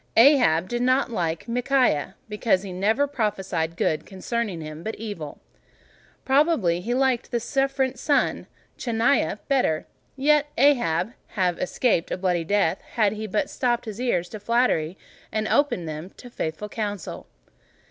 Ahab did not like Micaiah, because he never prophesied good concerning him, but evil; probably he liked the sycophant son of Chenaanah better; yet might Ahab have escaped a bloody death, had he but stopped his ears to flattery, and opened them to faithful counsel.